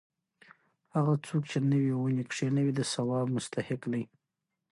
هغه څوک چې نوې ونې کښېنوي د ثواب مستحق دی.